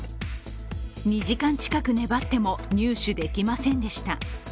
２時間近く粘っても入手できませんでした。